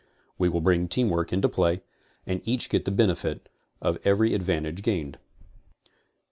We will bring team work into play, and each get the benefit of every advantage gained.